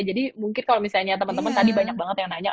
jadi mungkin kalau misalnya teman teman tadi banyak banget yang nanya